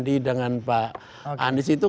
di dengan pak anies itu